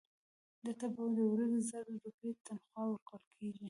ده ته به د ورځې زر روپۍ تنخوا ورکول کېږي.